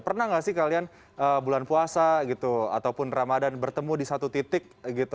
pernah nggak sih kalian bulan puasa gitu ataupun ramadhan bertemu di satu titik gitu